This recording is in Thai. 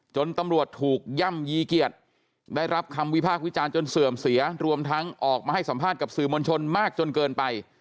ตำรวจถูกย่ำยีเกียรติได้รับคำวิพากษ์วิจารณ์จนเสื่อมเสียรวมทั้งออกมาให้สัมภาษณ์กับสื่อมวลชนมากจนเกินไป